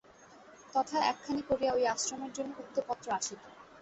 তথায় একখানি করিয়া ঐ আশ্রমের জন্য উক্ত পত্র আসিত।